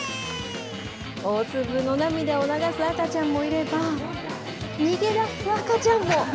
大粒の涙を流す赤ちゃんもいれば、逃げ出す赤ちゃんも。